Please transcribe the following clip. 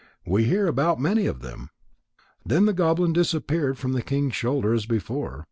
We hear about many of them." Then the goblin disappeared from the king's shoulder as before.